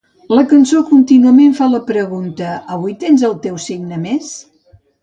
La cançó contínuament fa la pregunta: Avui tens el teu signe més?